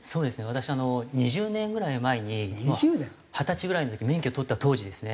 私あの２０年ぐらい前に二十歳ぐらいの時免許取った当時ですね。